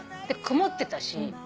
曇ってたし。